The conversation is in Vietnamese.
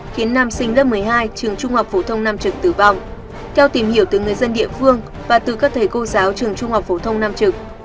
khiến nam sinh lớp một mươi hai trường trung học phổ thông nam trực tử vong theo tìm hiểu từ người dân địa phương và từ các thầy cô giáo trường trung học phổ thông nam trực